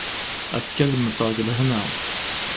Akka ad mmteɣ deg lehna.